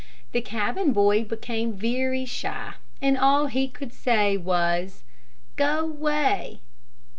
The cabin boy became very shy, and all he could say was, "Go way!"